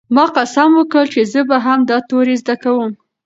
ما قسم وکړ چې زه به هم دا توري زده کوم.